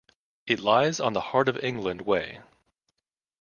It lies on the Heart of England Way.